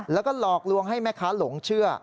แล้วก็หลอกลวงให้แม่ค้าหลงเชื่อ